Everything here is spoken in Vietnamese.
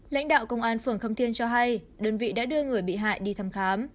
lãnh đạo công an phường khâm thiên cho hay đơn vị đã đưa người bị hại đi thăm khám